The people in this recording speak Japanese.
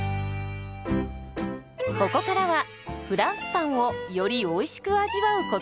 ここからはフランスパンをよりおいしく味わうコツです。